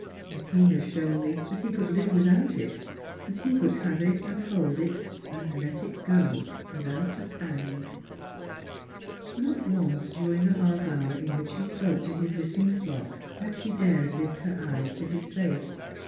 Yet /is has shown me that he could live without it, that he could have it and hold it, and let it go without a pang." Not once during the half hour in which he spoke to his listening Hock had she dared lift her eyes to his face.